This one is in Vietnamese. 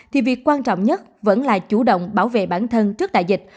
thì việc quan trọng nhất vẫn là chủ động bảo vệ bản thân trước đại dịch